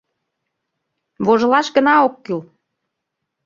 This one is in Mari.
Вожылаш гына ок кӱл.